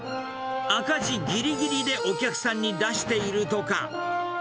赤字ぎりぎりでお客さんに出しているとか。